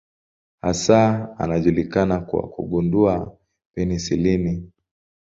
Hasa anajulikana kwa kugundua penisilini.